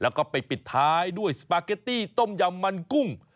แล้วก็ไปปิดท้ายด้วยสปาเกตตี้ต้มยำมันกุ้ง